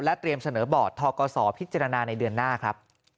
เตรียมเสนอบอร์ดทกศพิจารณาในเดือนหน้าครับ